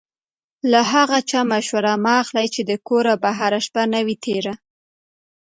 له هغه چا مشوره مه اخلئ چې د کوره بهر شپه نه وي تېره.